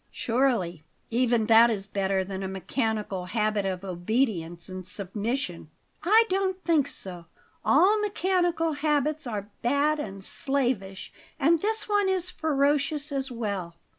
"Surely even that is better than a mechanical habit of obedience and submission." "I don't think so. All mechanical habits are bad and slavish, and this one is ferocious as well.